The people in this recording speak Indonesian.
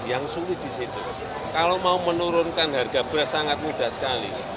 yang sulit di situ kalau mau menurunkan harga beras sangat mudah sekali